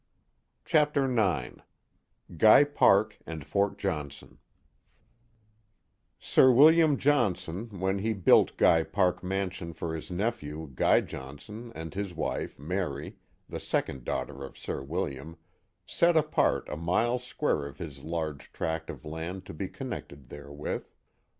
Chapter IX Guy Park and Fort Johnson SIR WILLIAM JOHNSON, when he built Guy Park mansion for his nephew, Guy Johnson, and his wife, Mary, the second daughter of Sir William, set apart a mile square of his large tract of land to be connected therewith.